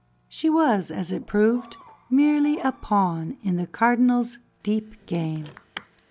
She was, as it proved, merely a pawn in the Cardinal's deep game.